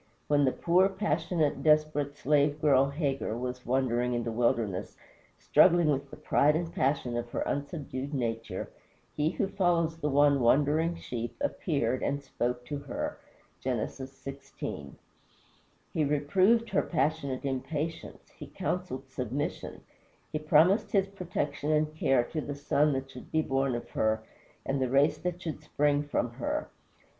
When the poor, passionate, desperate slave girl Hagar was wandering in the wilderness, struggling with the pride and passion of her unsubdued nature, he who follows the one wandering sheep appeared and spoke to her (Gen. xvi.). He reproved her passionate impatience; he counseled submission; he promised his protection and care to the son that should be born of her and the race that should spring from her.